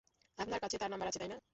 আপনার কাছে তার নাম্বার আছে, তাই না?